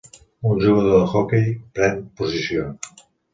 Un jugador d'hoquei pren posició